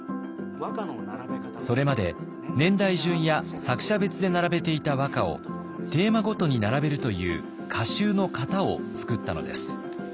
それまで年代順や作者別で並べていた和歌をテーマごとに並べるという歌集の型を創ったのです。